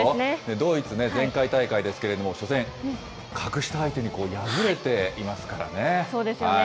ドイツね、前回大会ですけれども、初戦、格下相手に敗れていますかそうですよね。